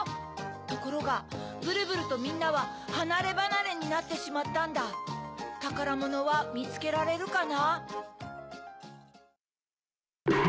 ところがブルブルとみんなははなればなれになってしまったんだたからものはみつけられるかな？